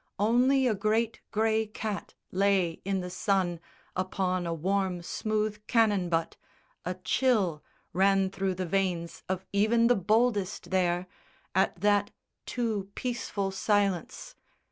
Only a great grey cat lay in the sun Upon a warm smooth cannon butt. A chill Ran through the veins of even the boldest there At that too peaceful silence.